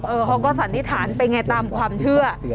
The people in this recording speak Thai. เขาก็สันนิษฐานเป็นไงตามความเชื่อ